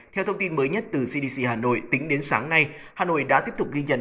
theo thông tin mới nhất từ cdc hà nội tính đến sáng nay hà nội đã tiếp tục ghi nhận